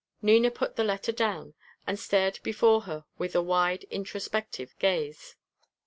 Nina put the letter down, and stared before her with a wide introspective gaze.